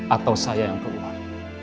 atau saya yang keluar